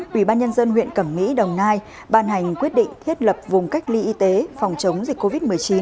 quỹ ban nhân dân huyện cẩm mỹ đồng nai ban hành quyết định thiết lập vùng cách ly y tế phòng chống dịch covid một mươi chín